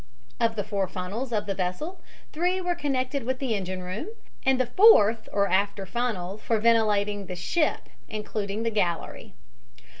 Of the four funnels of the vessel three were connected with the engine room, and the fourth or after funnel for ventilating the ship including the gallery.